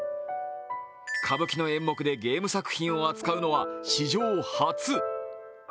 歌舞伎の演目でゲーム作品を扱うのは史上初。